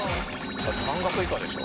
だって半額以下でしょ